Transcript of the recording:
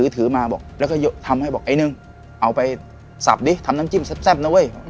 ถือมาบอกแล้วก็ทำให้บอกไอ้หนึ่งเอาไปสับดิทำน้ำจิ้มแซ่บนะเว้ย